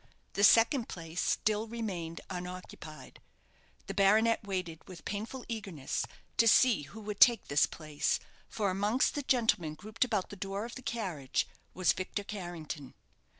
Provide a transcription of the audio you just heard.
The second place still remained unoccupied. The baronet waited with painful eagerness to see who would take this place, for amongst the gentlemen grouped about the door of the carriage was Victor Carrington.